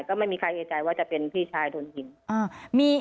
ก็ไม่มีใครเอกใจว่าจะเป็นพี่ชายโดนยิง